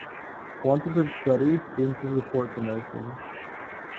Quantitative studies seem to support the notion.